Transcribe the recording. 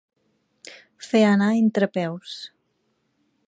Fer anar entre peus.